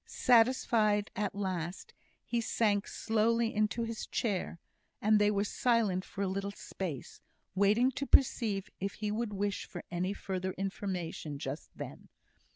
Satisfied at last, he sank slowly into his chair; and they were silent for a little space, waiting to perceive if he would wish for any further information just then.